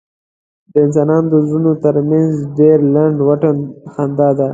د انسانانو د زړونو تر منځ ډېر لنډ واټن خندا ده.